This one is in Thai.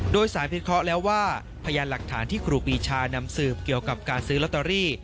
โดยสารพิเคราะห์แล้วว่าพยานหลักฐานที่ครูปีชานำสืบเกี่ยวกับการซื้อลอตเตอรี่